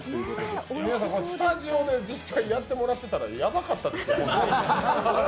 スタジオで実際にやってもらってたらヤバかったですよ。